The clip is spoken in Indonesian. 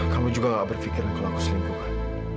kamu juga tidak berpikiran kalau aku selingkuh kan